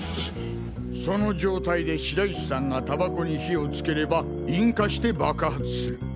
その状態で白石さんがタバコに火をつければ引火して爆発する。